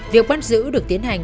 việc bắt giữ được tiến hành